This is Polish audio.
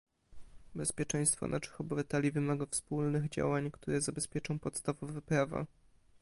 Bezpieczeństwo naszych obywateli wymaga wspólnych działań, które zabezpieczą podstawowe prawa